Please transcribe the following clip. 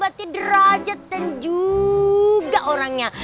berarti derajat dan juga orangnya